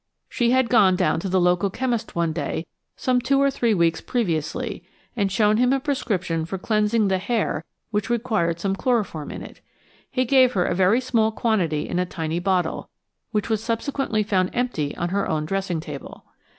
She had gone down to the local chemist one day some two or three weeks previously, and shown him a prescription for cleansing the hair which required some chloroform in it. He gave her a very small quantity in a tiny bottle, which was subsequently found empty on her own dressing table.